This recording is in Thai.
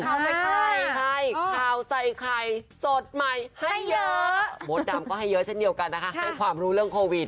ข้าวใส่ไข่ให้ข่าวใส่ไข่สดใหม่ให้เยอะมดดำก็ให้เยอะเช่นเดียวกันนะคะให้ความรู้เรื่องโควิด